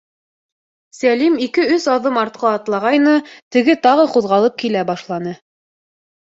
Сәлим ике-өс аҙым артҡа атлағайны, теге тағы ҡуҙғалып килә башланы.